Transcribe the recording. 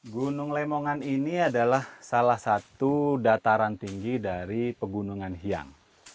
gunung lemongan ini adalah salah satu dataran tinggi dari pegunungan hiang